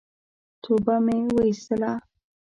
توبه مي واېستله !